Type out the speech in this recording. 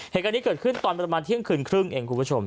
เหตุการณ์นี้เกิดขึ้นตอนประมาณเที่ยงคืนครึ่งเองคุณผู้ชม